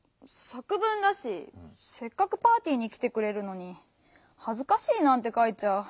さくぶんだしせっかくパーティーにきてくれるのに「はずかしい」なんてかいちゃ。